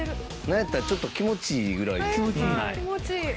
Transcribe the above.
なんやったらちょっと気持ちいいぐらい。